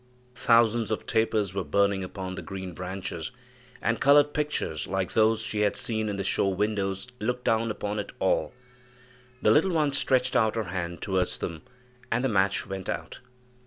Thousands of tapers were burning upon the green branches, and colored pictures, like those she had seen in the show windows, looked down upon it all. The little one stretched out her hand towards them, and the match went out.